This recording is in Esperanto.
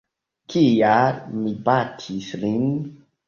Kial mi batis lin?